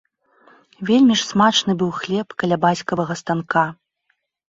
Вельмі ж смачны быў хлеб каля бацькавага станка.